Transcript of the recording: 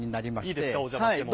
いいですかお邪魔しても。